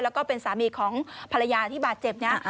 แล้วก็เป็นสามีของภรรยาที่บาดเจ็บนี้